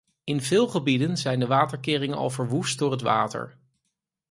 In veel gebieden zijn de waterkeringen al verwoest door het water.